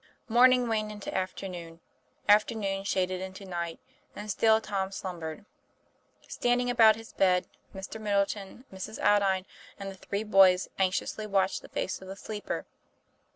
Morning waned into afternoon, afternoon shaded into night, and still Tom slumbered. Standing about his bed, Mr. Middleton, Mrs. Aldine, and the three boys anxiously watched the face of the sleeper.